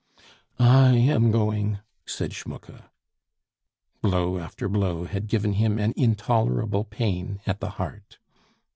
"I am going," said Schmucke. Blow after blow had given him an intolerable pain at the heart.